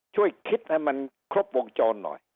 ช่วยคิดให้มันครบวงจรหน่อย